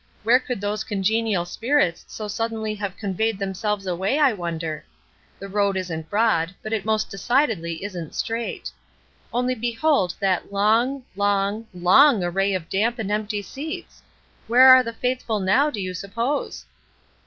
Where could those congenial spirits so suddenly have conveyed themselves away, I wonder? The road isn't broad, but it most decidedly isn't straight. Only behold that long, long, long array of damp and empty seats! Where are the faithful now, do you suppose?"